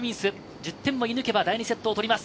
１０点を射抜けば第２セットを取ります。